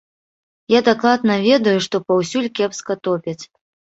Я дакладна ведаю, што паўсюль кепска топяць.